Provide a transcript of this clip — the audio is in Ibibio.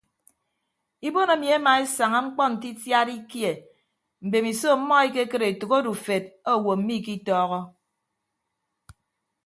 Ibon emi emaesaña mkpọ nte itiad ikie mbemiso ọmmọ ekekịd etәk odufed owo mmikitọọhọ.